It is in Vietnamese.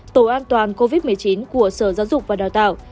tổ an toàn covid một mươi chín của sở giáo dục và đào tạo